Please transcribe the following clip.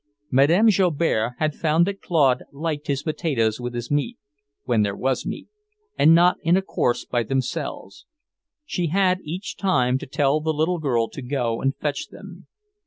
Madame Joubert had found that Claude liked his potatoes with his meat when there was meat and not in a course by themselves. She had each time to tell the little girl to go and fetch them.